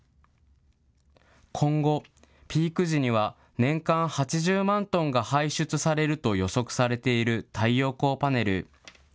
今後、ピーク時には年間８０万トンが排出されると予測されている太陽光パネル。